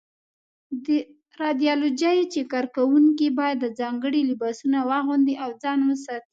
د رادیالوجۍ کارکوونکي باید ځانګړي لباسونه واغوندي او ځان وساتي.